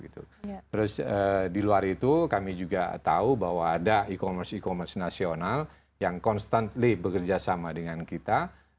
terus di luar itu kami juga tahu bahwa ada e commerce e commerce nasional yang constantly bekerja sama dengan kita